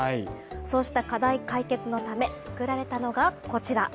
そうした課題解決のため、作られたのがこちら。